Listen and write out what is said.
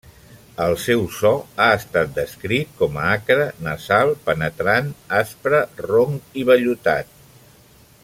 El seu so ha estat descrit com a acre, nasal, penetrant, aspre, ronc i vellutat.